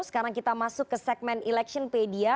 sekarang kita masuk ke segmen electionpedia